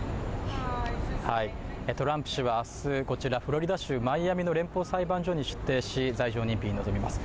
トランプ氏は明日こちらフロリダ州マイアミの連邦裁判所に出廷し、罪状認否に臨みます